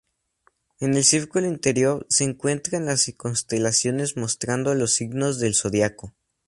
En el círculo interior, se encuentran las constelaciones, mostrando los signos del zodíaco.